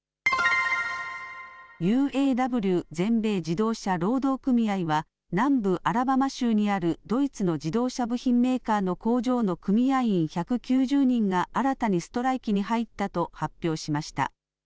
ＵＡＷ・全米自動車労働組合は南部アラバマ州にあるドイツの自動車部品メーカーの工場の組合員１９０人が新たにストライキに入ったと発表しました。